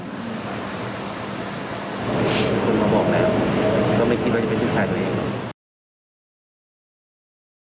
บอกแล้วก็ไม่คิดว่าจะเป็นชื่อชายตัวเอง